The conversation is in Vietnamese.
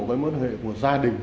với mối quan hệ của gia đình